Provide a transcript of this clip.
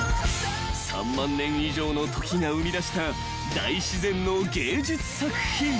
［３万年以上の時が生み出した大自然の芸術作品］